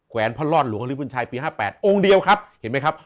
แวนพระรอดหลวงฮริบุญชัยปี๕๘องค์เดียวครับเห็นไหมครับ